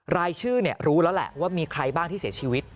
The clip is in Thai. รายชื่อรู้แล้วแหละว่ามีใครบ้างที่เสียชีวิต